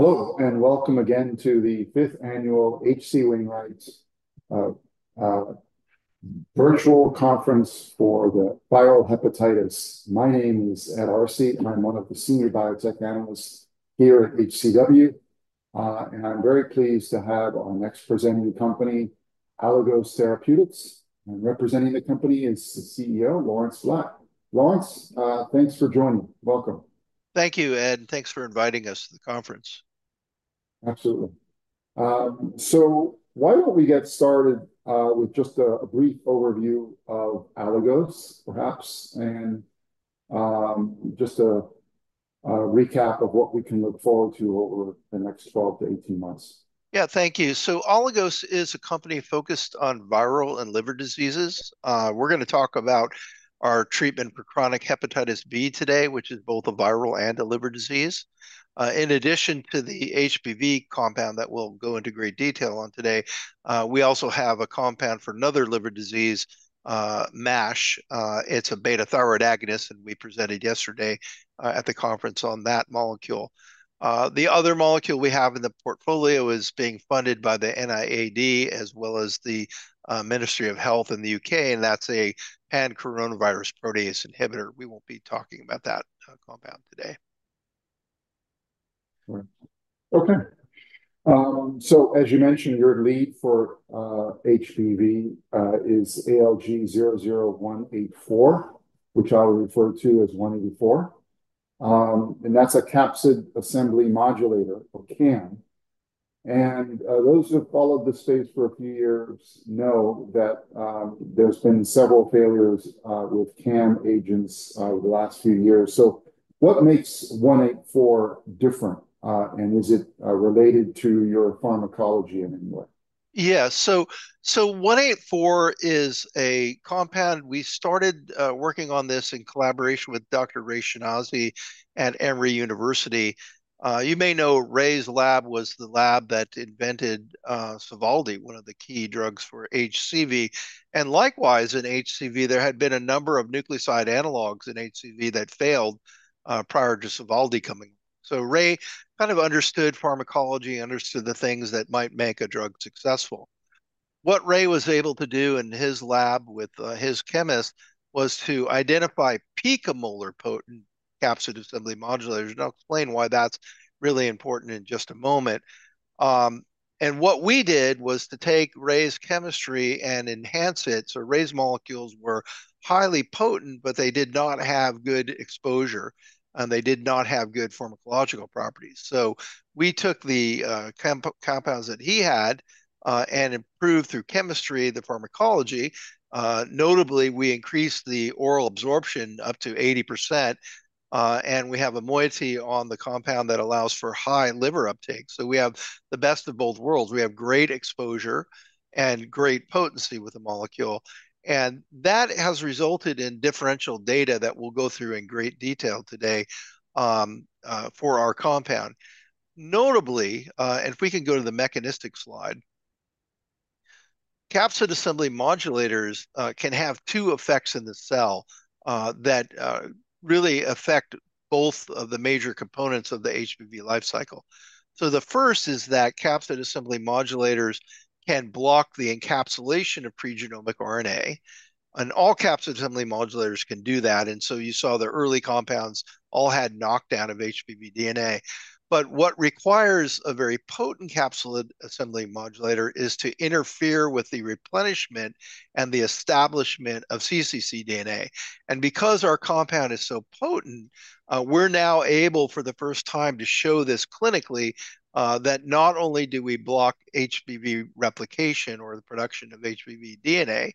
Hello, and welcome again to the fifth annual H.C. Wainwright's virtual conference for the viral hepatitis. My name is Ed Arce, and I'm one of the senior biotech analysts here at HCW. And I'm very pleased to have our next presenting company, Aligos Therapeutics, and representing the company is the CEO, Lawrence Blatt. Lawrence, thanks for joining. Welcome. Thank you, Ed, and thanks for inviting us to the conference. Absolutely. So why don't we get started with just a brief overview of Aligos, perhaps, and just a recap of what we can look forward to over the next twelve to eighteen months? Yeah. Thank you. So Aligos is a company focused on viral and liver diseases. We're gonna talk about our treatment for chronic hepatitis B today, which is both a viral and a liver disease. In addition to the HBV compound that we'll go into great detail on today, we also have a compound for another liver disease, MASH. It's a beta thyroid agonist, and we presented yesterday at the conference on that molecule. The other molecule we have in the portfolio is being funded by the NIAID, as well as the Ministry of Health in the U.K., and that's a pan-coronavirus protease inhibitor. We won't be talking about that compound today. Right. Okay. So as you mentioned, your lead for HBV is ALG-00184, which I'll refer to as one eighty-four. And that's a capsid assembly modulator, or CAM. And those who have followed this space for a few years know that there's been several failures with CAM agents over the last few years. So what makes one eight four different? And is it related to your pharmacology in any way? Yeah, so one eight four is a compound. We started working on this in collaboration with Dr. Ray Schinazi at Emory University. You may know Ray's lab was the lab that invented Sovaldi, one of the key drugs for HCV. And likewise, in HCV, there had been a number of nucleoside analogues in HCV that failed prior to Sovaldi coming. So Ray kind of understood pharmacology and understood the things that might make a drug successful. What Ray was able to do in his lab with his chemist was to identify picomolar potent capsid assembly modulators, and I'll explain why that's really important in just a moment. And what we did was to take Ray's chemistry and enhance it. So Ray's molecules were highly potent, but they did not have good exposure, and they did not have good pharmacological properties. So we took the compounds that he had and improved, through chemistry, the pharmacology. Notably, we increased the oral absorption up to 80%, and we have a moiety on the compound that allows for high liver uptake. We have the best of both worlds. We have great exposure and great potency with the molecule, and that has resulted in differential data that we'll go through in great detail today for our compound. Notably, and if we can go to the mechanistic slide, capsid assembly modulators can have two effects in the cell that really affect both of the major components of the HBV life cycle. So the first is that capsid assembly modulators can block the encapsulation of pre-genomic RNA, and all capsid assembly modulators can do that, and so you saw the early compounds all had knockdown of HBV DNA. But what requires a very potent capsid assembly modulator is to interfere with the replenishment and the establishment of cccDNA. And because our compound is so potent, we're now able, for the first time, to show this clinically, that not only do we block HBV replication or the production of HBV DNA,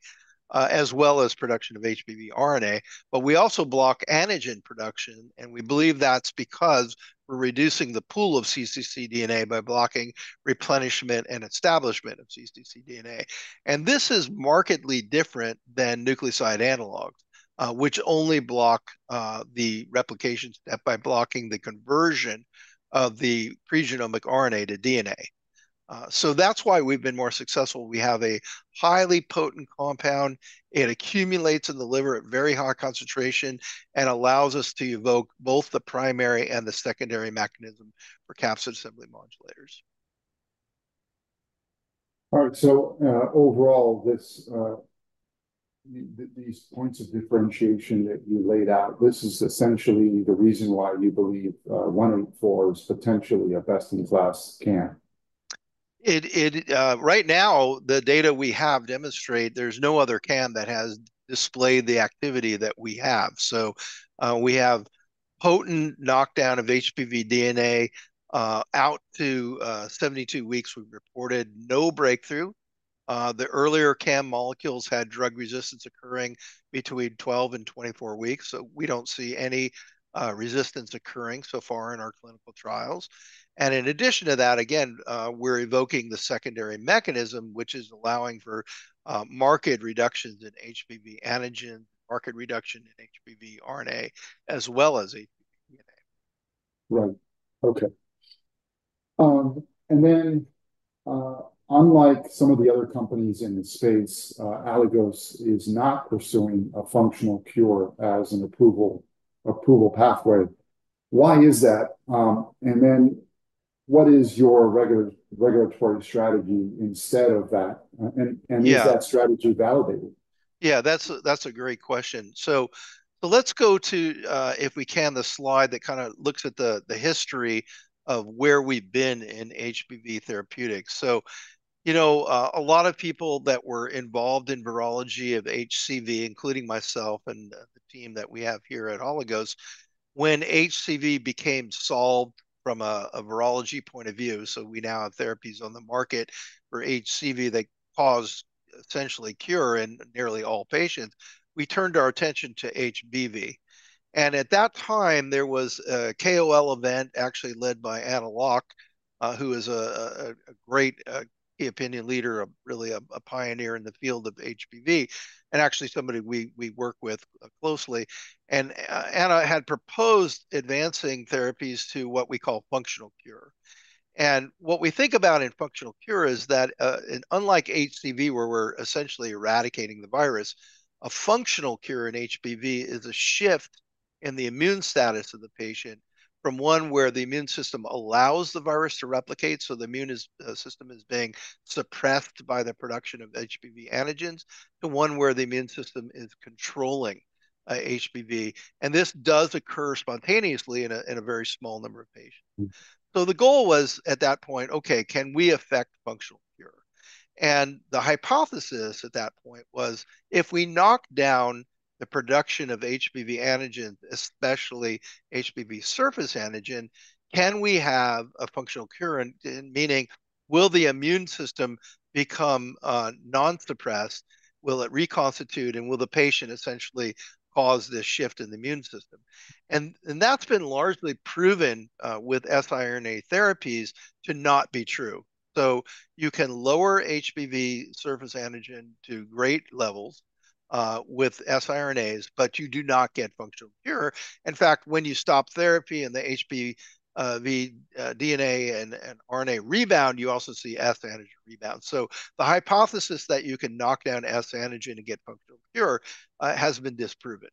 as well as production of HBV RNA, but we also block antigen production, and we believe that's because we're reducing the pool of cccDNA by blocking replenishment and establishment of cccDNA. And this is markedly different than nucleoside analogues, which only block the replication step by blocking the conversion of the pre-genomic RNA to DNA. So that's why we've been more successful. We have a highly potent compound. It accumulates in the liver at very high concentration and allows us to evoke both the primary and the secondary mechanism for capsid assembly modulators. All right, so, overall, these points of differentiation that you laid out, this is essentially the reason why you believe one eight four is potentially a best-in-class CAM? Right now, the data we have demonstrate there's no other CAM that has displayed the activity that we have. So, we have potent knockdown of HBV DNA out to 72 weeks. We've reported no breakthrough. The earlier CAM molecules had drug resistance occurring between 12 and 24 weeks, so we don't see any resistance occurring so far in our clinical trials. And in addition to that, again, we're invoking the secondary mechanism, which is allowing for marked reductions in HBV antigen, marked reduction in HBV RNA, as well as HBV DNA. Right. Okay. And then, unlike some of the other companies in the space, Aligos is not pursuing a functional cure as an approval pathway. Why is that? And then what is your regulatory strategy instead of that? Yeah Is that strategy validated? Yeah, that's a great question. So, let's go to, if we can, the slide that kind of looks at the history of where we've been in HBV therapeutics. So, you know, a lot of people that were involved in virology of HCV, including myself and the team that we have here at Aligos, when HCV became solved from a virology point of view, so we now have therapies on the market for HCV that cause essentially cure in nearly all patients, we turned our attention to HBV. And at that time, there was a KOL event actually led by Anna Lok, who is a great key opinion leader, really a pioneer in the field of HBV, and actually somebody we work with closely. Anna had proposed advancing therapies to what we call functional cure. What we think about in functional cure is that, and unlike HCV, where we're essentially eradicating the virus, a functional cure in HBV is a shift in the immune status of the patient from one where the immune system allows the virus to replicate, so the immune system is being suppressed by the production of HBV antigens, to one where the immune system is controlling HBV. This does occur spontaneously in a very small number of patients. The goal was, at that point, "Okay, can we affect functional cure?" The hypothesis at that point was, if we knock down the production of HBV antigens, especially HBV surface antigen, can we have a functional cure? And meaning, will the immune system become non-suppressed? Will it reconstitute, and will the patient essentially cause this shift in the immune system, and that's been largely proven with siRNA therapies to not be true, so you can lower HBV surface antigen to great levels with siRNAs, but you do not get functional cure. In fact, when you stop therapy and the HBV DNA and RNA rebound, you also see HBs antigen rebound, so the hypothesis that you can knock down HBs antigen and get functional cure has been disproven.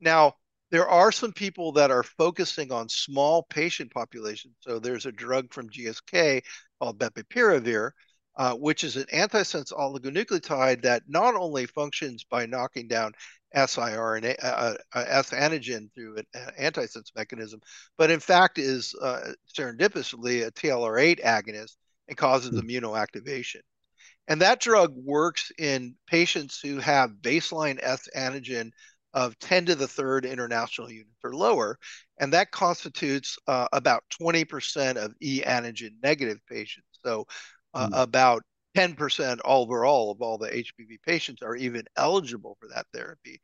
Now, there are some people that are focusing on small patient populations, so there's a drug from GSK called bepirovirsen, which is an antisense oligonucleotide that not only functions by knocking down HBs antigen through an antisense mechanism, but in fact is serendipitously a TLR8 agonist and causes immunoactivation. That drug works in patients who have baseline HBeAg of 10 to the third international unit or lower, and that constitutes about 20% of HBeAg-negative patients. Mm... about 10% overall of all the HBV patients are even eligible for that therapy.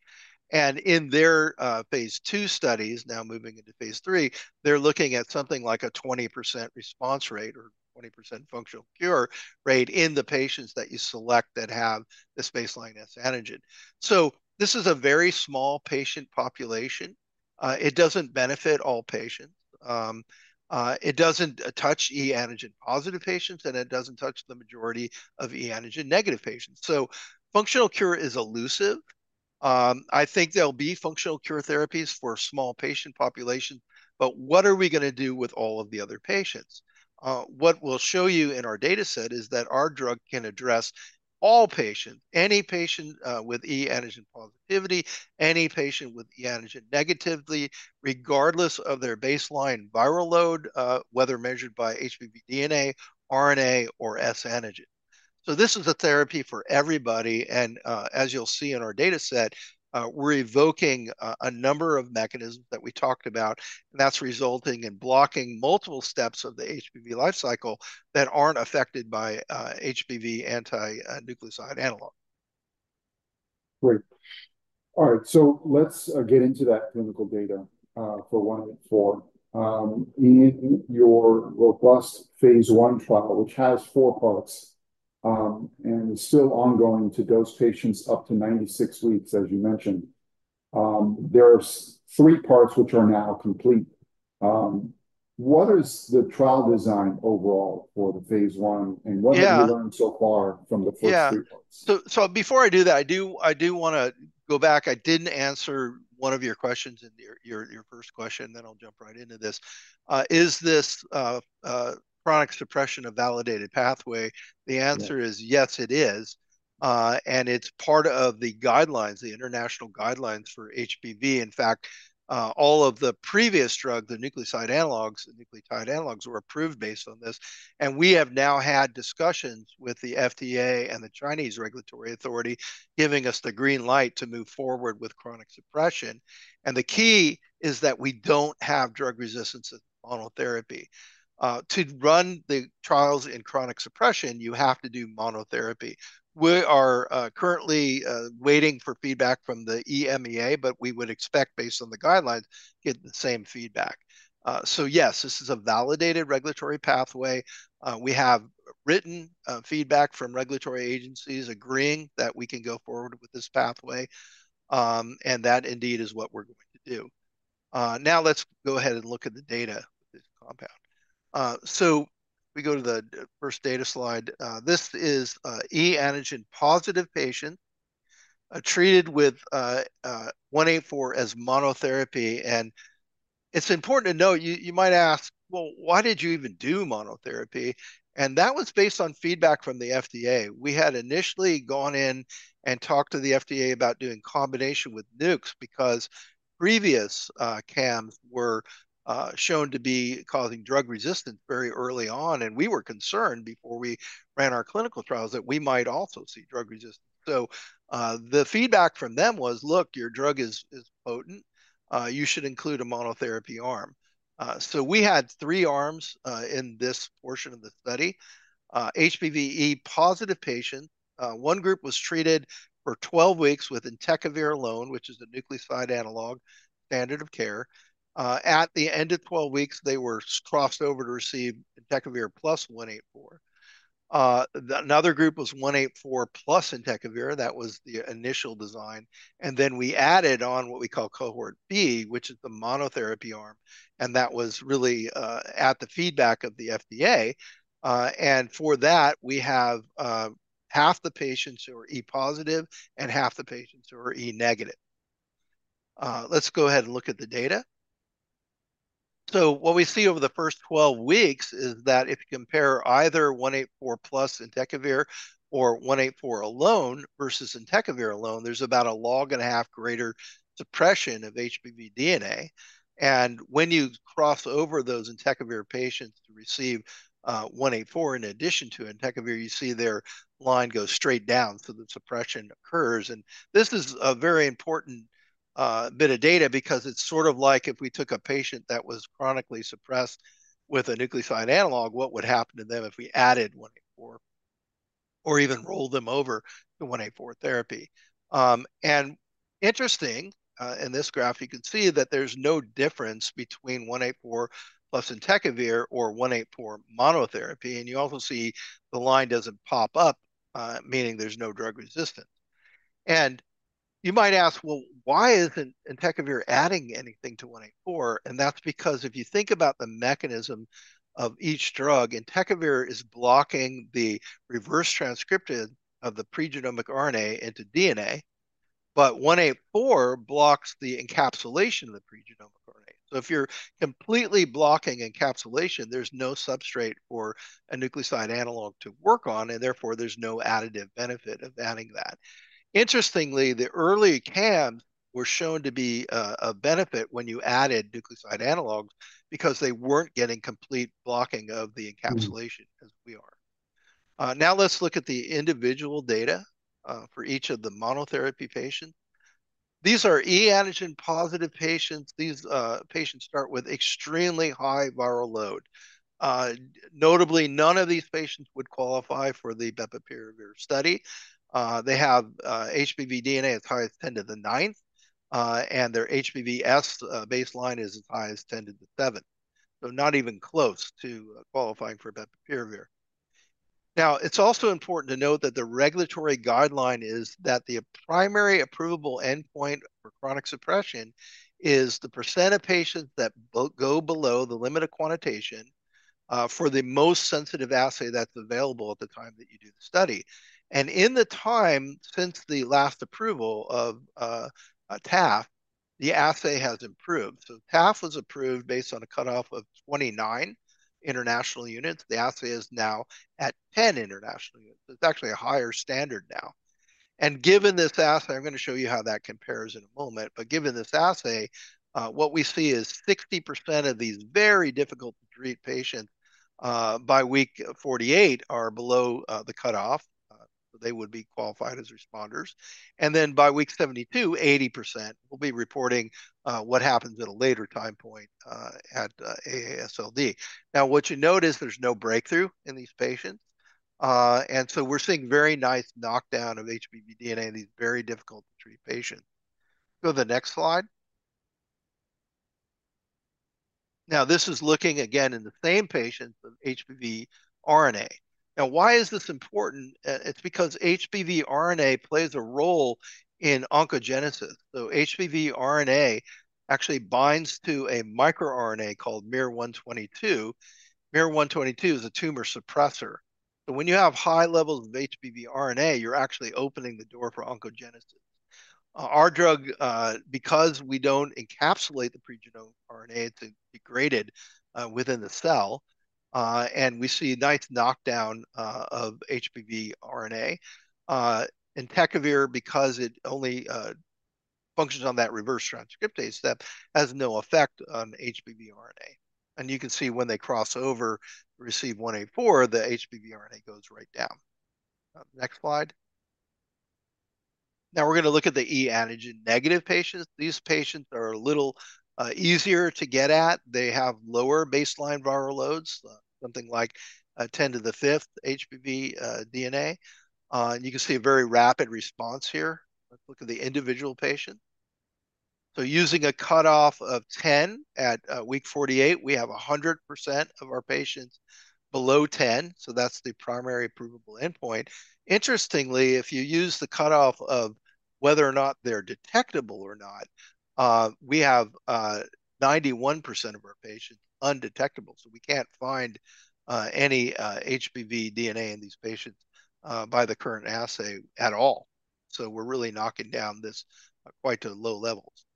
And in their phase II studies, now moving into phase III, they're looking at something like a 20% response rate or 20% functional cure rate in the patients that you select that have this baseline S antigen. So this is a very small patient population. It doesn't benefit all patients. It doesn't touch e antigen positive patients, and it doesn't touch the majority of e antigen negative patients. So functional cure is elusive. I think there'll be functional cure therapies for a small patient population, but what are we gonna do with all of the other patients? What we'll show you in our data set is that our drug can address all patients, any patient, with e antigen positivity, any patient with e antigen negatively, regardless of their baseline viral load, whether measured by HBV DNA, RNA, or HBsAg. So this is a therapy for everybody, and, as you'll see in our data set, we're evoking a number of mechanisms that we talked about, and that's resulting in blocking multiple steps of the HBV life cycle that aren't affected by HBV anti-nucleoside analog. Great. All right, so let's get into that clinical data for 184. In your robust phase I trial, which has four parts, and is still ongoing to dose patients up to 96 weeks, as you mentioned, there are three parts which are now complete. What is the trial design overall for the phase I? Yeah. What have you learned so far from the first three parts? Yeah. So before I do that, I do wanna go back. I didn't answer one of your questions in your first question, then I'll jump right into this. Is this chronic suppression a validated pathway? Yeah. The answer is yes, it is, and it's part of the guidelines, the international guidelines for HBV. In fact, all of the previous drugs, the nucleoside analogs and nucleotide analogs, were approved based on this, and we have now had discussions with the FDA and the Chinese regulatory authority, giving us the green light to move forward with chronic suppression, and the key is that we don't have drug resistance as monotherapy. To run the trials in chronic suppression, you have to do monotherapy. We are currently waiting for feedback from the EMEA, but we would expect, based on the guidelines, get the same feedback, so yes, this is a validated regulatory pathway. We have written feedback from regulatory agencies agreeing that we can go forward with this pathway, and that indeed is what we're going to do. Now let's go ahead and look at the data of this compound, so we go to the first data slide. This is an E-antigen positive patient treated with one eight four as monotherapy, and it's important to note, you might ask, "Well, why did you even do monotherapy?", and that was based on feedback from the FDA. We had initially gone in and talked to the FDA about doing combination with Nucs, because previous CAMs were shown to be causing drug resistance very early on, and we were concerned before we ran our clinical trials that we might also see drug resistance, so the feedback from them was, "Look, your drug is potent. You should include a monotherapy arm.", so we had three arms in this portion of the study. HBV E positive patients. One group was treated for twelve weeks with entecavir alone, which is a nucleoside analog, standard of care. At the end of twelve weeks, they were crossed over to receive entecavir plus one eight four. Another group was one eight four plus entecavir, that was the initial design. And then we added on what we call cohort B, which is the monotherapy arm, and that was really, at the feedback of the FDA. And for that, we have half the patients who are e-positive and half the patients who are e-negative. Let's go ahead and look at the data. So what we see over the first twelve weeks is that if you compare either one eight four plus entecavir or one eight four alone versus entecavir alone, there's about a log and a half greater depression of HBV DNA. When you cross over those entecavir patients to receive one eight four in addition to entecavir, you see their line go straight down, so the suppression occurs. This is a very important bit of data, because it's sort of like if we took a patient that was chronically suppressed with a nucleoside analog, what would happen to them if we added one eight four, or even rolled them over to one eight four therapy? Interesting, in this graph, you can see that there's no difference between one eight four plus entecavir or one eight four monotherapy. You also see the line doesn't pop up, meaning there's no drug resistance. And you might ask, "Well, why isn't entecavir adding anything to one eight four?" And that's because if you think about the mechanism of each drug, entecavir is blocking the reverse transcription of the pre-genomic RNA into DNA, but one eight four blocks the encapsulation of the pre-genomic RNA. So if you're completely blocking encapsulation, there's no substrate for a nucleoside analog to work on, and therefore, there's no additive benefit of adding that. Interestingly, the early CAMs were shown to be a benefit when you added nucleoside analogs, because they weren't getting complete blocking of the encapsulation- Mm... as we are. Now let's look at the individual data for each of the monotherapy patients. These are E-antigen positive patients. These patients start with extremely high viral load. Notably, none of these patients would qualify for the bepirovirsen study. They have HBV DNA as high as ten to the ninth and their HBsAg baseline is as high as ten to the seventh, so not even close to qualifying for bepirovirsen. Now, it's also important to note that the regulatory guideline is that the primary approvable endpoint for chronic suppression is the percent of patients that go below the limit of quantitation for the most sensitive assay that's available at the time that you do the study. In the time since the last approval of TAF, the assay has improved. TAF was approved based on a cutoff of 29 international units. The assay is now at 10 international units. It's actually a higher standard now. Given this assay, I'm gonna show you how that compares in a moment, but given this assay, what we see is 60% of these very difficult-to-treat patients, by week 48, are below the cutoff, they would be qualified as responders. Then by week 72, 80% will be reporting what happens at a later time point at AASLD. Now, what you note is there's no breakthrough in these patients, and so we're seeing very nice knockdown of HBV DNA in these very difficult-to-treat patients. Go to the next slide. Now, this is looking again in the same patients of HBV RNA. Now, why is this important? It's because HBV RNA plays a role in oncogenesis. So HBV RNA actually binds to a microRNA called miR-122. miR-122 is a tumor suppressor, so when you have high levels of HBV RNA, you're actually opening the door for oncogenesis. Our drug, because we don't encapsulate the pre-genomic RNA, it's degraded within the cell, and we see nice knockdown of HBV RNA. Entecavir, because it only functions on that reverse transcriptase step, has no effect on HBV RNA. And you can see when they cross over to receive one eight four, the HBV RNA goes right down. Next slide. Now we're gonna look at the E-antigen negative patients. These patients are a little easier to get at. They have lower baseline viral loads, something like ten to the fifth HBV DNA. And you can see a very rapid response here. Let's look at the individual patient. So using a cutoff of 10 at week 48, we have 100% of our patients below 10, so that's the primary approvable endpoint. Interestingly, if you use the cutoff of whether or not they're detectable or not, we have 91% of our patients undetectable, so we can't find any HBV DNA in these patients by the current assay at all. So we're really knocking down this quite to low levels.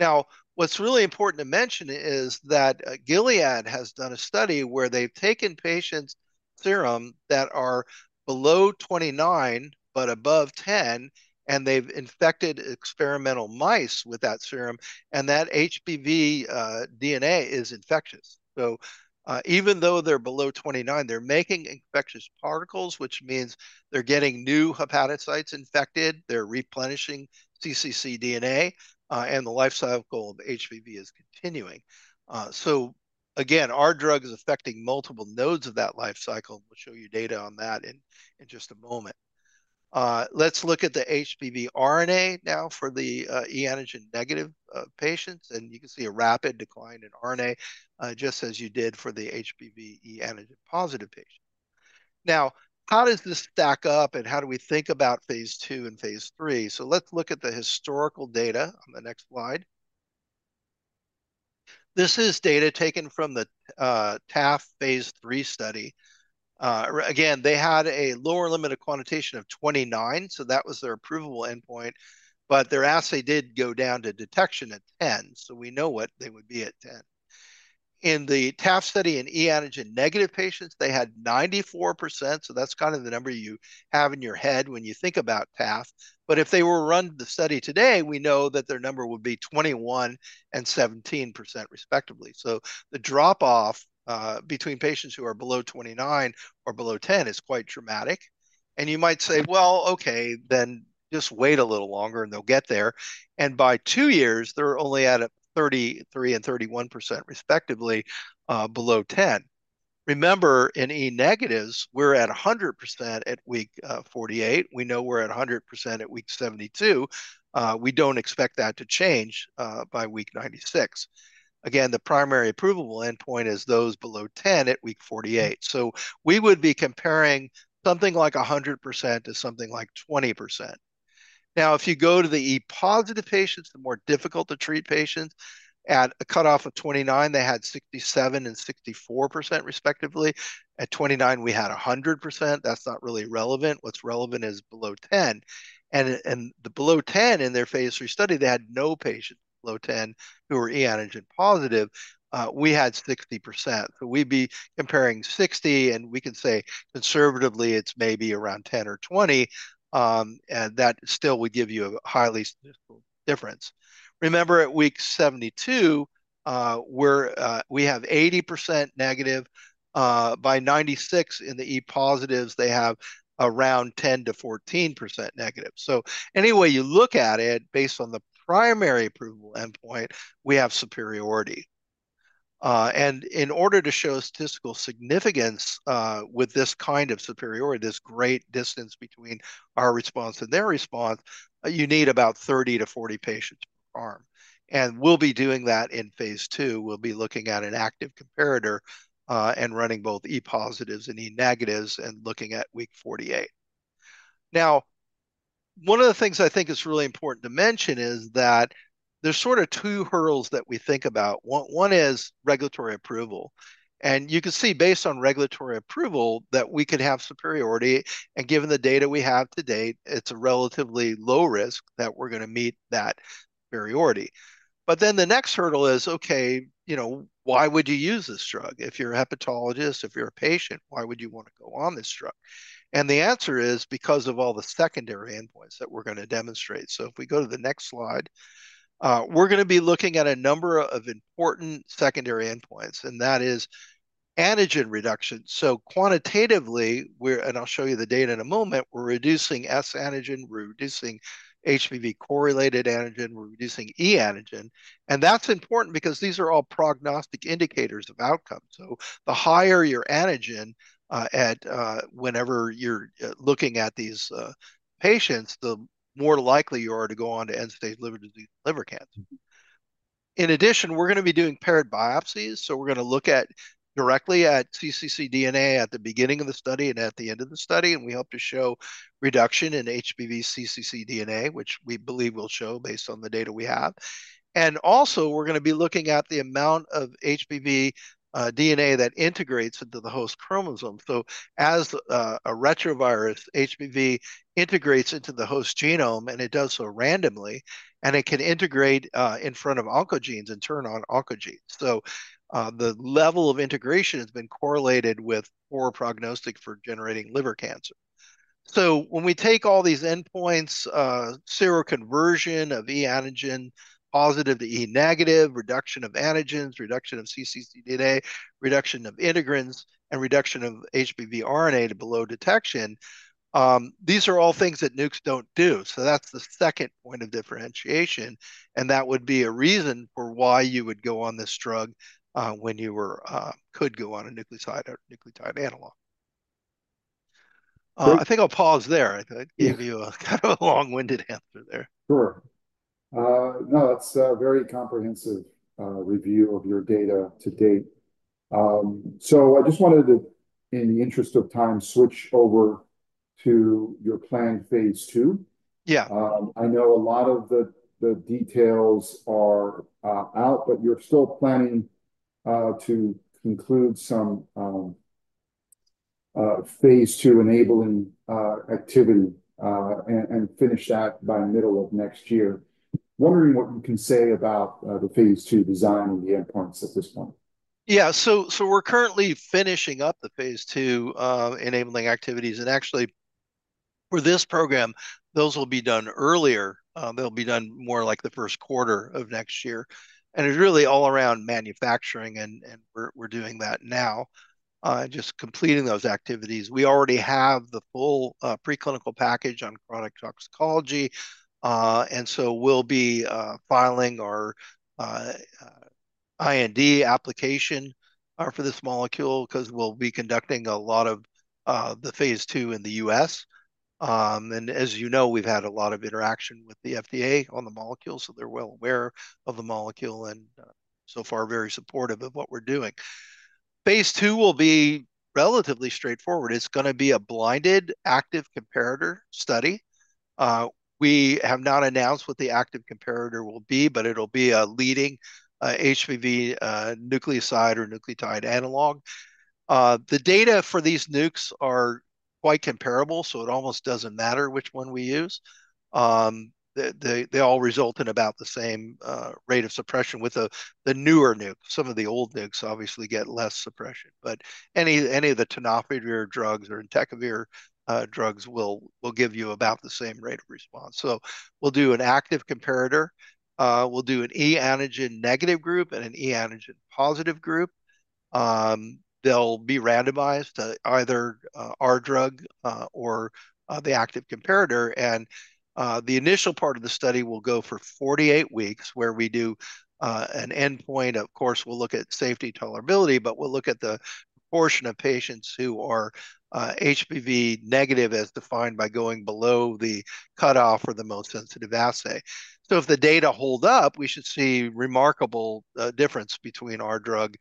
Now, what's really important to mention is that Gilead has done a study where they've taken patients' serum that are below 29, but above 10, and they've infected experimental mice with that serum, and that HBV DNA is infectious. So, even though they're below 29, they're making infectious particles, which means they're getting new hepatocytes infected, they're replenishing cccDNA, and the life cycle of HBV is continuing. So again, our drug is affecting multiple nodes of that life cycle. We'll show you data on that in just a moment. Let's look at the HBV RNA now for the e antigen negative patients, and you can see a rapid decline in RNA, just as you did for the HBV e antigen positive patient. Now, how does this stack up, and how do we think about phase 2 and phase 3? So let's look at the historical data on the next slide. This is data taken from the TAF phase 3 study. Again, they had a lower limit of quantitation of 29, so that was their approvable endpoint, but their assay did go down to detection at 10, so we know what they would be at 10. In the TAF study in E-antigen negative patients, they had 94%, so that's kind of the number you have in your head when you think about TAF. But if they were to run the study today, we know that their number would be 21% and 17%, respectively. So the drop-off between patients who are below 29 or below 10 is quite dramatic, and you might say, "Well, okay, then just wait a little longer, and they'll get there, and by two years, they're only at a 33% and 31%, respectively, below 10." Remember, in E negatives, we're at a 100% at week 48. We know we're at 100% at week 72. We don't expect that to change by week 96. Again, the primary approvable endpoint is those below 10 at week 48. So we would be comparing something like 100% to something like 20%. Now, if you go to the HBeAg-positive patients, the more difficult to treat patients, at a cutoff of 29, they had 67% and 64%, respectively. At 29, we had 100%. That's not really relevant. What's relevant is below 10, and the below 10 in their phase 3 study, they had no patients below 10 who were HBeAg positive. We had 60%, so we'd be comparing 60, and we can say conservatively, it's maybe around 10 or 20, and that still would give you a highly statistical difference. Remember, at week 72, we're, we have 80% negative. By 96 in the e positives, they have around 10%-14% negative. So any way you look at it, based on the primary approvable endpoint, we have superiority. And in order to show statistical significance, with this kind of superiority, this great distance between our response and their response, you need about 30-40 patients per arm, and we'll be doing that in phase 2. We'll be looking at an active comparator, and running both e positives and e negatives, and looking at week 48. Now, one of the things I think is really important to mention is that there's sort of two hurdles that we think about. One, one is regulatory approval, and you can see, based on regulatory approval, that we could have superiority, and given the data we have to date, it's a relatively low risk that we're gonna meet that superiority. But then the next hurdle is, okay, you know, why would you use this drug? If you're a hepatologist, if you're a patient, why would you want to go on this drug? And the answer is: because of all the secondary endpoints that we're gonna demonstrate, so if we go to the next slide, we're gonna be looking at a number of important secondary endpoints, and that is antigen reduction, so quantitatively, we're... and I'll show you the data in a moment, we're reducing S antigen, we're reducing HBV core-related antigen, we're reducing E-antigen, and that's important because these are all prognostic indicators of outcome. So the higher your antigen whenever you're looking at these patients, the more likely you are to go on to end-stage liver disease and liver cancer. In addition, we're gonna be doing paired biopsies, so we're gonna look directly at cccDNA at the beginning of the study and at the end of the study, and we hope to show reduction in HBV cccDNA, which we believe will show based on the data we have. And also, we're gonna be looking at the amount of HBV DNA that integrates into the host chromosome. So as a retrovirus, HBV integrates into the host genome, and it does so randomly, and it can integrate in front of oncogenes and turn on oncogenes. So the level of integration has been correlated with poor prognostic for generating liver cancer. So when we take all these endpoints, seroconversion of E-antigen positive to E-negative, reduction of antigens, reduction of cccDNA, reduction of integrated HBV DNA, and reduction of HBV RNA to below detection, these are all things that Nucs don't do. So that's the second point of differentiation, and that would be a reason for why you would go on this drug, when you were, could go on a nucleoside or nucleotide analog. I think I'll pause there. I gave you a kind of a long-winded answer there. Sure. No, that's a very comprehensive review of your data to date. So I just wanted to, in the interest of time, switch to your planned phase II? Yeah. I know a lot of the details are out, but you're still planning to conclude some phase two enabling activity and finish that by middle of next year. Wondering what you can say about the phase two design and the endpoints at this point? Yeah. So we're currently finishing up the phase II enabling activities, and actually, for this program, those will be done earlier. They'll be done more like the first quarter of next year, and it's really all around manufacturing, and we're doing that now, just completing those activities. We already have the full preclinical package on product toxicology, and so we'll be filing our IND application for this molecule, 'cause we'll be conducting a lot of the phase two in the U.S., and as you know, we've had a lot of interaction with the FDA on the molecule, so they're well aware of the molecule, and so far very supportive of what we're doing. Phase II wo will be relatively straightforward. It's gonna be a blinded active comparator study. We have not announced what the active comparator will be, but it'll be a leading HBV nucleoside or nucleotide analog. The data for these nucs are quite comparable, so it almost doesn't matter which one we use. They all result in about the same rate of suppression with the newer nuc. Some of the old nucs obviously get less suppression, but any of the tenofovir drugs or entecavir drugs will give you about the same rate of response, so we'll do an active comparator. We'll do an E-antigen negative group and an E-antigen positive group. They'll be randomized to either our drug or the active comparator, and the initial part of the study will go for 48 weeks, where we do an endpoint. Of course, we'll look at safety tolerability, but we'll look at the portion of patients who are, HBV negative, as defined by going below the cutoff for the most sensitive assay. So if the data hold up, we should see remarkable difference between our drug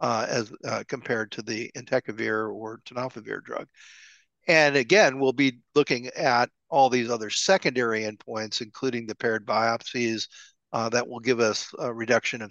as compared to the entecavir or tenofovir drug. And again, we'll be looking at all these other secondary endpoints, including the paired biopsies that will give us a reduction in-